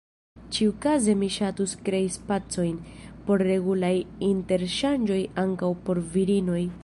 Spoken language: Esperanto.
Ĉiukaze mi ŝatus krei spacojn por regulaj interŝanĝoj ankaŭ por virinoj.